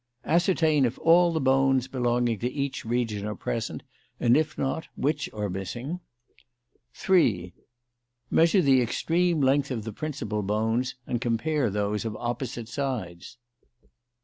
Ascertain if all the bones belonging to each region are present, and if not, which are missing. 3. Measure the extreme length of the principal bones and compare those of opposite sides.